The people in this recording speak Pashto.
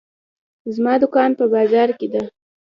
زما دوکان په بازار کې ده.